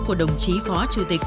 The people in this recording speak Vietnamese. của đồng chí phó chủ tịch